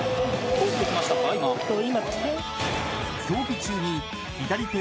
［競技中に］